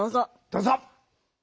どうぞ。